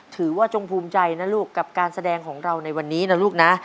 จงภูมิใจนะลูกกับการแสดงของเราในวันนี้นะลูกนะ